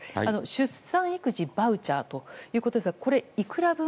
出産育児バウチャーということですがこれ、いくら分。